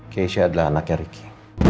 keisah adalah anaknya ricky